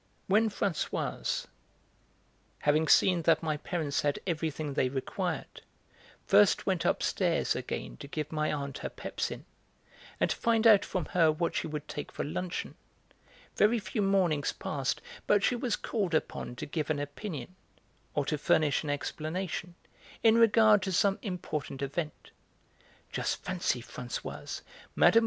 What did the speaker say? When Françoise, having seen that my parents had everything they required, first went upstairs again to give my aunt her pepsin and to find out from her what she would take for luncheon, very few mornings pased but she was called upon to give an opinion, or to furnish an explanation, in regard to some important event. "Just fancy, Françoise, Mme.